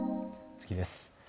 次です。